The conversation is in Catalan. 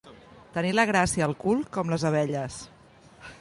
Tenir la gràcia al cul com les abelles.